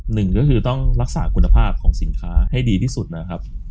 หนึ่งก็คือต้องรักษาคุณภาพของสินค้าให้ดีที่สุดนะครับ